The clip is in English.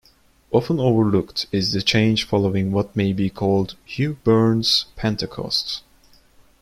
Often overlooked is the change following what may be called "Hugh Bourne's Pentecost".